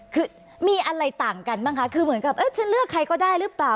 คือมีอะไรต่างกันบ้างคะคือเหมือนกับจะเลือกใครก็ได้หรือเปล่า